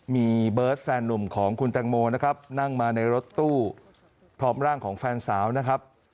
มีเบิร์ตแฟนหนุ่มของคุณแตงโมนะครับนั่งมาในรถตู้พร้อมร่างของแฟนสาวนะครับ